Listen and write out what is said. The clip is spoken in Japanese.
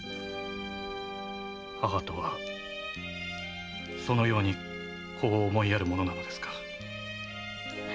母とはそのように子を思いやるものなのですか。